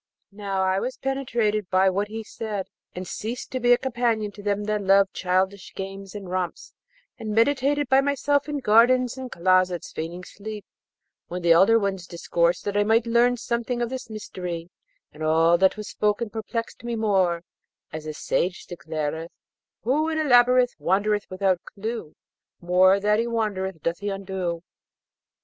Now, I was penetrated by what he said, and ceased to be a companion to them that loved childish games and romps, and meditated by myself in gardens and closets, feigning sleep when the elder ones discoursed, that I might learn something of this mystery, and all that was spoken perplexed me more, as the sage declareth: Who in a labyrinth wandereth without clue, More that he wandereth doth himself undo.